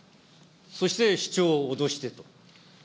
そして、市長を脅してと。